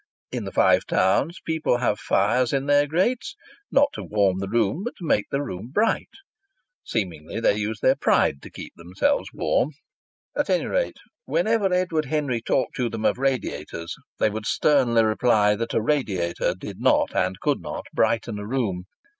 In the Five Towns people have fires in their grates not to warm the room, but to make the room bright. Seemingly they use their pride to keep themselves warm. At any rate, whenever Edward Henry talked to them of radiators, they would sternly reply that a radiator did not and could not brighten a room.